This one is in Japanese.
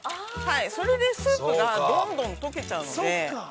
◆それでスープが、どんどん溶けちゃうので。